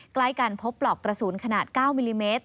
ใกล้กันพบปลอกกระสุนขนาด๙มิลลิเมตร